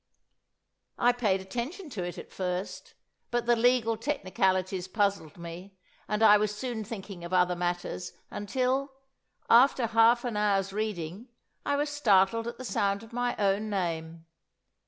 I paid attention to it at first; but the legal technicalities puzzled me, and I was soon thinking of other matters, until, after half an hour's reading, I was startled at the sound of my own name.